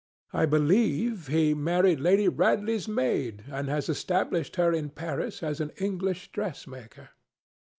"I believe he married Lady Radley's maid, and has established her in Paris as an English dressmaker.